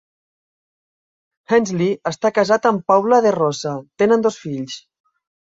Hensley està casat amb Paula DeRosa; tenen dos fills.